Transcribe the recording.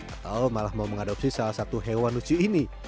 atau malah mau mengadopsi salah satu hewan lucu ini